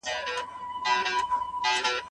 خلګ د خامو موادو له کمښت سره مخ وو.